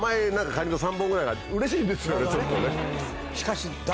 しかし。